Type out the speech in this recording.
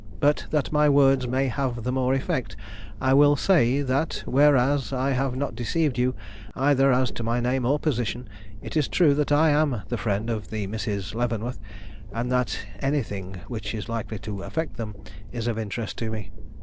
But that my words may have the more effect, I will say, that whereas I have not deceived you, either as to my name or position, it is true that I am the friend of the Misses Leavenworth, and that anything which is likely to affect them, is of interest to me.